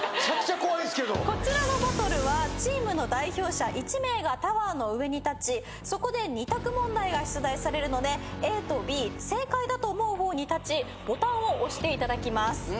こちらのバトルはチームの代表者１名がタワーの上に立ちそこで２択問題が出題されるのでＡとＢ正解だと思う方に立ちボタンを押していただきます。